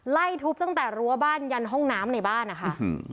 ไล่ทุบตั้งแต่รั้วบ้านยันห้องน้ำในบ้านนะคะ